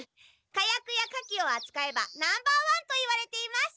火薬や火器をあつかえばナンバーワンといわれています。